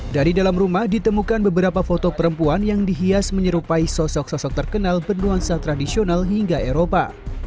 dari dalam rumah ditemukan beberapa foto perempuan yang dihias menyerupai sosok sosok terkenal bernuansa tradisional hingga eropa